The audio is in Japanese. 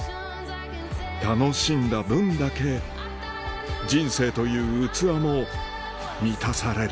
楽しんだ分だけ人生という器も満たされる